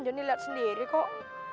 jonny liat sendiri kok